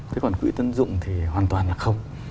thế còn quỹ tân dụng thì hoàn toàn là không